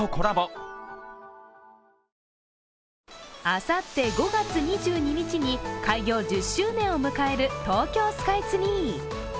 あさって５月２２日に開業１０周年を迎える東京スカイツリー。